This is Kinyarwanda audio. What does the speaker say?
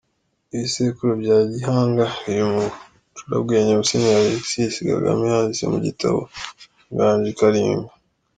Ibisekuru bya Gihanga biri mu bucurabwenge Musenyeri Alexis Kagame yanditse mu gitabo ‘ Inganji Kalinga’.